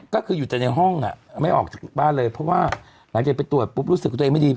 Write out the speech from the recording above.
ก็คืออยู่แต่ในห้องไม่ออกจากบ้านเลยเพราะว่าหลังจากไปตรวจปุ๊บรู้สึกว่าตัวเองไม่ดี